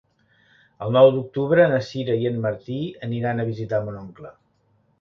El nou d'octubre na Sira i en Martí aniran a visitar mon oncle.